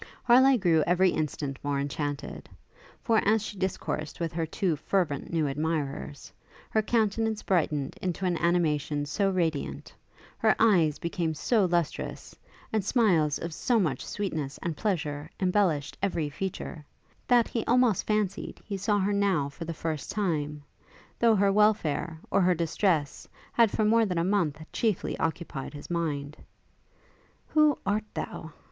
Harleigh grew every instant more enchanted; for as she discoursed with her two fervent new admirers, her countenance brightened into an animation so radiant, her eyes became so lustrous, and smiles of so much sweetness and pleasure embellished every feature, that he almost fancied he saw her now for the first time, though her welfare, or her distresses, had for more than a month chiefly occupied his mind. Who art thou?